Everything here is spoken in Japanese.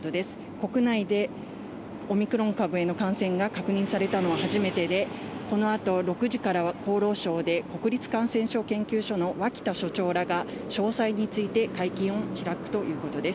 国内でオミクロン株への感染が確認されたのは初めてで、このあと６時から厚労省で、国立感染症研究所の脇田所長らが、詳細について会見を開くということです。